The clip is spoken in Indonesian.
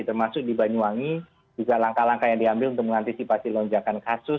termasuk di banyuwangi juga langkah langkah yang diambil untuk mengantisipasi lonjakan kasus